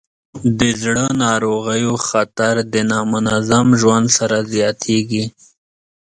د زړه ناروغیو خطر د نامنظم ژوند سره زیاتېږي.